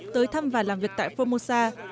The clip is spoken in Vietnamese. tới thăm và làm việc tại phongmosa